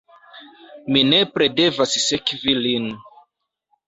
Mi nepre devas sekvi lin.